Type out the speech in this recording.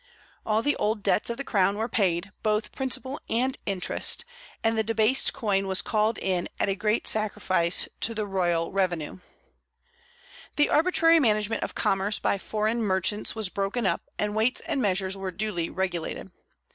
All the old debts of the Crown were paid, both principal and interest, and the debased coin was called in at a great sacrifice to the royal revenue. The arbitrary management of commerce by foreign merchants was broken up, and weights and measures were duly regulated.